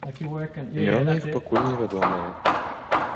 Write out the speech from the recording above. Імёны іх пакуль невядомыя.